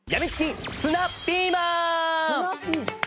「ツナピーマン？」